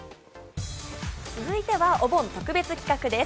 続いては、お盆特別企画です。